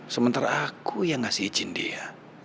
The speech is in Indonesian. sementara aku yang ngasih izin dia